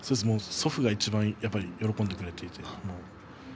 祖父がいちばん喜んでくれました。